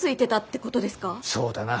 そうだな。